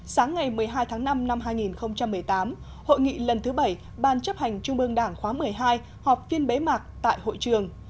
sáng ngày một mươi hai tháng năm năm hai nghìn một mươi tám hội nghị lần thứ bảy ban chấp hành trung ương đảng khóa một mươi hai họp phiên bế mạc tại hội trường